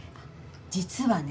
実はね